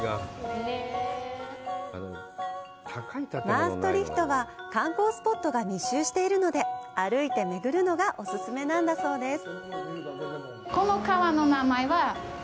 マーストリヒトは観光スポットが密集しているので歩いてめぐるのがお勧めなんだそうです！